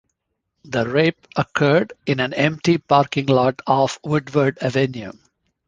The rape occurred in an empty parking lot off Woodward Avenue.